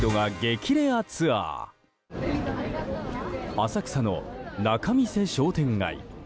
浅草の仲見世商店街。